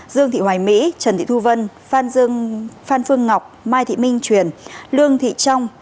dương thị hoài mỹ trần thị thu vân phan phương ngọc mai thị minh truyền lương thị trong